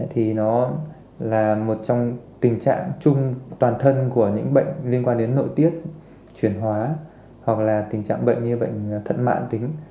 thì nó là một trong tình trạng chung toàn thân của những bệnh liên quan đến nội tiết chuyển hóa hoặc là tình trạng bệnh như bệnh thận mạng tính